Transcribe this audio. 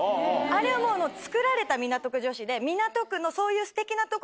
あれはもう作られた港区女子で。